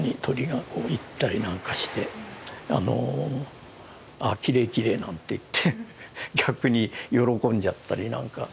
「あきれいきれい」なんて言って逆に喜んじゃったりなんか。